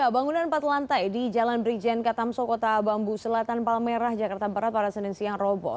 bangunan empat lantai di jalan brijen katamso kota bambu selatan palmerah jakarta barat pada senin siang roboh